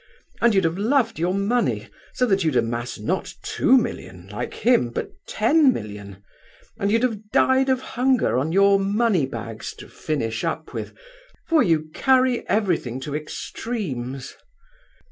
And you'd have loved your money so that you'd amass not two million, like him, but ten million; and you'd have died of hunger on your money bags to finish up with, for you carry everything to extremes.